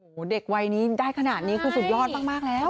โอ้โหเด็กวัยนี้ได้ขนาดนี้คือสุดยอดมากแล้ว